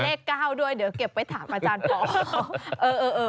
เลข๙ด้วยเดี๋ยวเก็บไว้ถามอาจารย์พอ